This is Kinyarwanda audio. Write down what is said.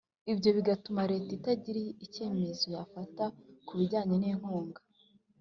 Ibyo bigatuma leta itagira ikemezo yafata ku bijyanye n inkunga